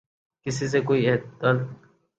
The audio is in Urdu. کسی سے کوئی اختل